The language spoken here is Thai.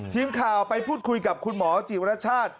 ทีมข่าวไปพูดคุยกับคุณหมอจิวรชาติ